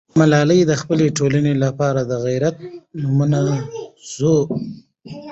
ملالۍ د خپلې ټولنې لپاره د غیرت نمونه سوه.